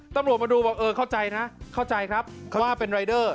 ตำรวจมาดูบอกเออเข้าใจนะเข้าใจครับเขาว่าเป็นรายเดอร์